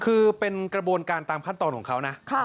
คือเป็นกระบวนการตามขั้นตอนของเขานะ